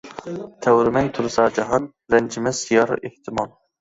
تەۋرىمەي تۇرسا جاھان، رەنجىمەس يار ئېھتىمال.